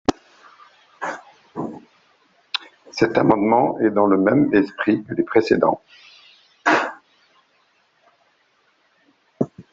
Cet amendement est dans le même esprit que les précédents.